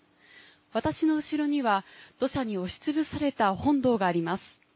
私の後ろには、土砂に押しつぶされた本堂があります。